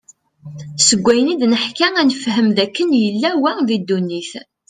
Seg wayen id-neḥka ad nefhem, d akken yal wa di ddunit.